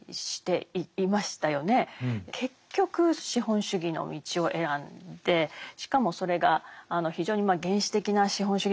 結局資本主義の道を選んでしかもそれが非常に原始的な資本主義だったと思うんですね。